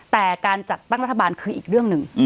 แต่การจัดตั้งรัฐบาลคืออีกเรื่องหนึ่ง